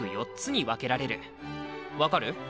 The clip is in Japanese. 分かる？